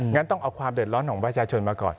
งั้นต้องเอาความเดือดร้อนของประชาชนมาก่อน